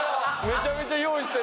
めちゃめちゃ用意してる。